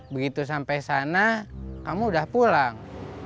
begitu sampai sana kamu udah pulang